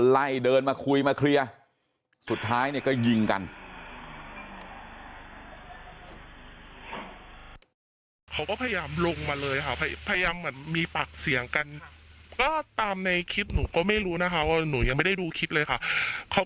แล้วสุดท้ายเนี่ยก็ยิงกัน